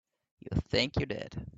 You think you did.